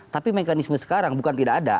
tapi mekanisme sekarang bukan tidak ada